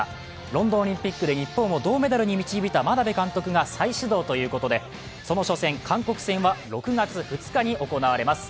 ロンドンオリンピックで日本を銅メダルに導いた眞鍋監督が再始動ということでその初戦、韓国戦は６月２日に行われます。